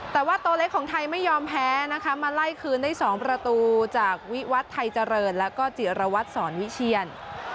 แต่ว่าตัวเล็กของไทยไม่ยอมแพ้นะคะมาไล่คืนได้๒ประตูจากวิวัตรไทยเจริญแล้วก็จิรวัตรสอนวิเชียน